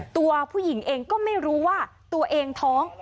ตัวผู้หญิงเองก็ไม่รู้ว่าตัวเองท้อง